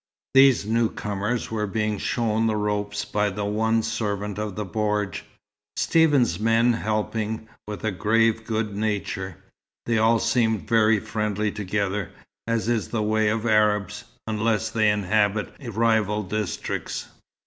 These newcomers were being shown the ropes by the one servant of the bordj, Stephen's men helping with grave good nature. They all seemed very friendly together, as is the way of Arabs, unless they inhabit rival districts.